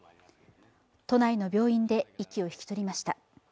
都内の病院で息を引き取りました。